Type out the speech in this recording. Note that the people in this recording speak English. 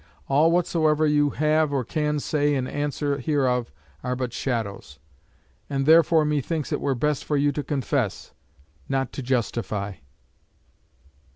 All whatsoever you have or can say in answer hereof are but shadows. And therefore methinks it were best for you to confess, not to justify.'"